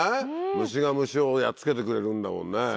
虫が虫をやっつけてくれるんだもんね。